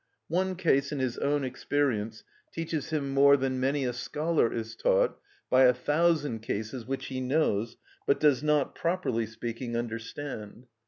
One case in his own experience teaches him more than many a scholar is taught by a thousand cases which he knows, but does not, properly speaking, understand.